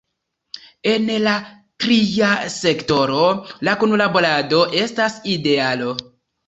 En la tria sektoro la kunlaborado estas idealo.